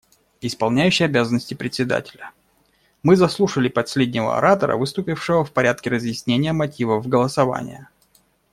Исполняющий обязанности Председателя: Мы заслушали последнего оратора, выступившего в порядке разъяснения мотивов голосования.